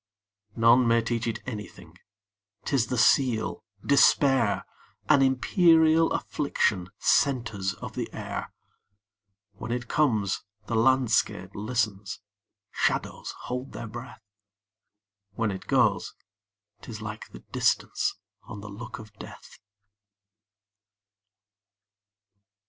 None may teach it anything,'T is the seal, despair,—An imperial afflictionSent us of the air. When it comes, the landscape listens, Shadows hold their breath; When it goes, 't is like the distanceOn the look of death.